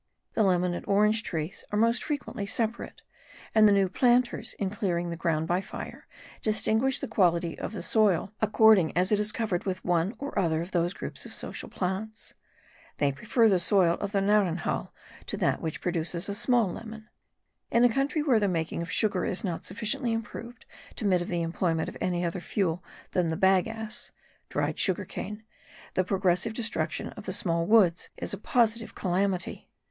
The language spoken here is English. The lemon and orange trees are most frequently separate; and the new planters, in clearing the ground by fire, distinguish the quality of the soil according as it is covered with one or other of those groups of social plants; they prefer the soil of the naranjal to that which produces the small lemon. In a country where the making of sugar is not sufficiently improved to admit of the employment of any other fuel than the bagasse (dried sugar cane) the progressive destruction of the small woods is a positive calamity.